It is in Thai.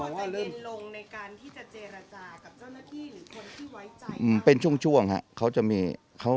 บริการบอกว่าจะเย็นลงในการที่จะเจรจากับเจ้าหน้าที่หรือคนที่ไว้ใจเขา